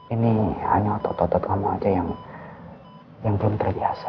ini hanya otot otot kamu aja yang belum terbiasa